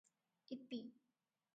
ଇତି ।